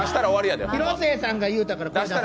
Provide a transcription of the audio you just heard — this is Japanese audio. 広末さんが言うたから。